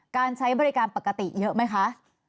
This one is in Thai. การใช้บริการปกติเยอะไหมคะ